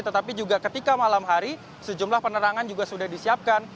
tetapi juga ketika malam hari sejumlah penerangan juga sudah disiapkan